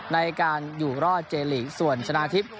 ในการอยู่รอดเจลีกส่วนชนะทิพย์